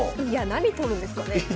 いや何撮るんですかね？